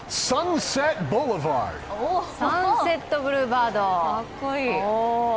サンセット・ブルーバード。